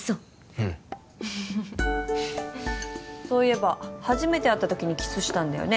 うんそういえば初めて会った時にキスしたんだよね